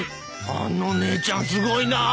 あの姉ちゃんすごいなあ。